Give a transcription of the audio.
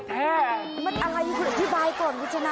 มันอะไรคุณอธิบายก่อนคุณชนะ